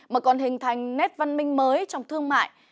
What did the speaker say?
mà còn hình thành nét văn minh mới trong thương mại